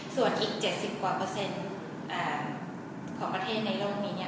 ส่วนอีก๗๐ของประเทศในโลกนี้